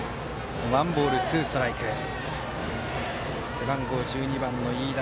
背番号１２番の飯田。